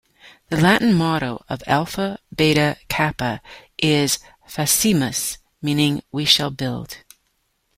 The Latin Motto of Alpha Beta Kappa is "Faciemus," meaning "We shall build.